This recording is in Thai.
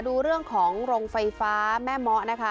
ดูเรื่องของโรงไฟฟ้าแม่เมาะนะคะ